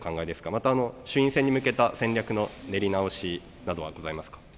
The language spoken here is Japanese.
また、衆院選に向けた戦略の練り直しなどはございますか。